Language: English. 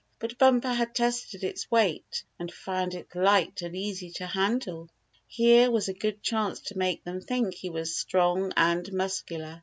But Bumper had tested its weight, and found it light and easy to handle. Here was a good chance to make them think he was strong and muscular.